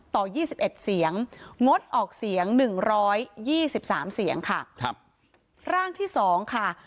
ต่อ๒๑เสียงงดออกเสียง๑๒๓เสียงค่ะครับร่างที่๒ค่ะ